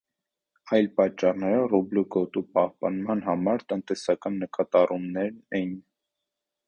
Այլ պատճառները ռուբլու գոտու պահպանման համար տնտեսական նկատառումներն էին։